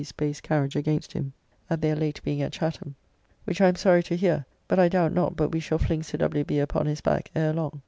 B.'s base carriage against him at their late being at Chatham, which I am sorry to hear, but I doubt not but we shall fling Sir W. B. upon his back ere long.